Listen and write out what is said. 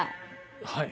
はい。